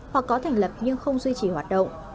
hoặc có thành lập nhưng không duy trì hoạt động